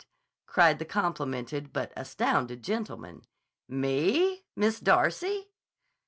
_" cried that complimented but astounded gentleman. "Me? Miss Darcy?"